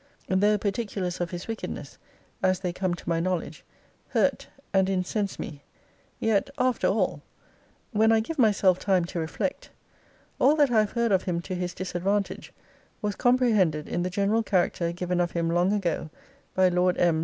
Though particulars of his wickedness, as they come to my knowledge, hurt and incense me; yet, after all, when I give myself time to reflect, all that I have heard of him to his disadvantage was comprehended in the general character given of him long ago, by Lord M.'